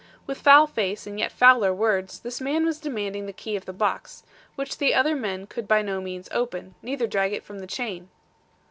With foul face and yet fouler words, this man was demanding the key of the box, which the other men could by no means open, neither drag it from the chain.